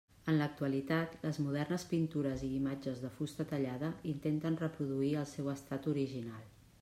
En l'actualitat, les modernes pintures i imatges de fusta tallada intenten reproduir el seu estat original.